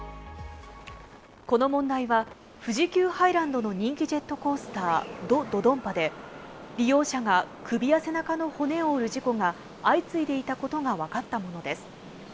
この問題は富士急ハイランドの人気ジェットコースター、ド・ドドンパで、利用者が首や背中の骨を折る事故が相次いでいたことが分かったものです。